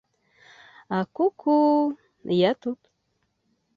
А ку-ку, я тут.